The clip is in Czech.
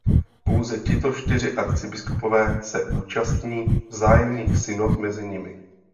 Pouze tito čtyři arcibiskupové se účastní vzájemných synod mezi nimi.